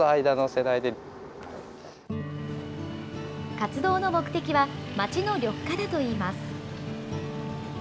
活動の目的は、街の緑化だといいます。